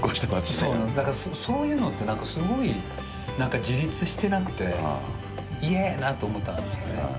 だからそういうのって、すごい自立してなくて、嫌やなと思ったんですよ。